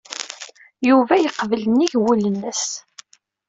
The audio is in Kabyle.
Yuba yeqbel nnig wul-nnes.